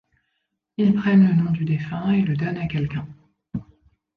Ils prennent le nom du défunt et le donnent à quelqu'un.